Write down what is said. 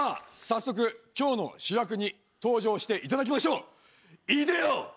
早速今日の主役に登場していただきましょういでよ！